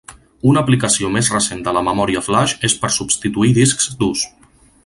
Una aplicació més recent de la memòria flaix és per substituir discs durs.